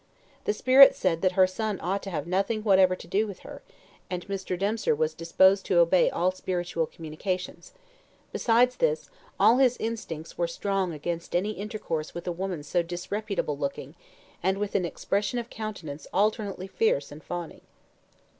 The spirit said that her son ought to have nothing whatever to do with her, and Mr. Dempster was disposed to obey all spiritual communications. Besides this, all his instincts were strong against any intercourse with a woman so disreputable looking, with an expression of countenance alternately fierce and fawning.